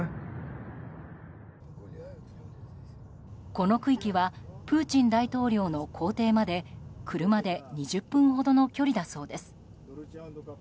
この区域はプーチン大統領の公邸まで車で２０分ほどの距離だそうです。